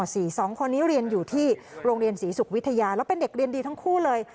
สองคนนี้เรียนอยู่ที่โรงเรียนศรีศุกร์วิทยาแล้วเป็นเด็กเรียนดีทั้งคู่เลย